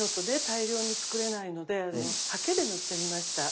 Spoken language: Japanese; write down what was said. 大量に作れないのでハケで塗ってみました。